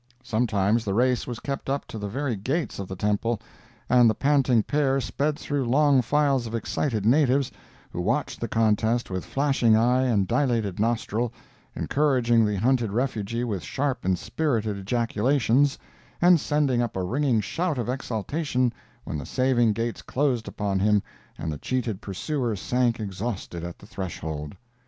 Sometimes the race was kept up to the very gates of the temple, and the panting pair sped through long files of excited natives, who watched the contest with flashing eye and dilated nostril, encouraging the hunted refugee with sharp, inspirited ejaculations, and sending up a ringing shout of exultation when the saving gates closed upon him and the cheated pursuer sank exhausted at the threshold.